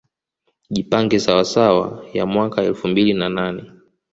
Jipange Sawasawa ya mwaka elfu mbili na nane